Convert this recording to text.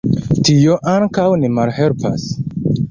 Tio ankaŭ ne malhelpas.